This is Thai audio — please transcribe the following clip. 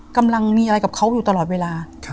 กำลังมีอะไรกับเขาอยู่ตลอดเวลา